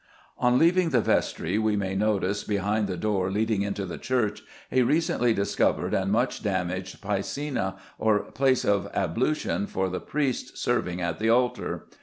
On leaving the vestry we may notice, behind the door leading into the church, a recently discovered and much damaged piscina, or place of ablution for the priests serving at the altar.